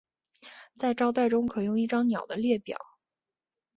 在招待中可用一张鸟的列表。